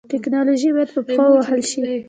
ټکنالوژي باید په پښتو وپوهول شي.